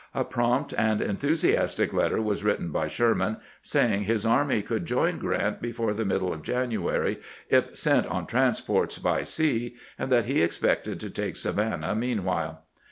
A prompt and enthusiastic letter was written by Sher man, saying his army could join Grant before the middle of January if sent on transports by sea, and that he ex pected to take Savannah meanwhile.